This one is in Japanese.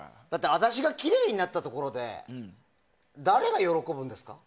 私がきれいになったところで誰が喜ぶんですか？